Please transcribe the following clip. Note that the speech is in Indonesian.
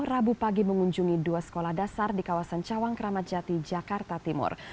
rabu pagi mengunjungi dua sekolah dasar di kawasan cawang kramat jati jakarta timur